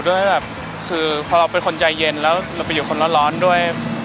ด้วยแบบคือพอเราเป็นคนใจเย็นแล้วเราไปอยู่คนร้อนด้วย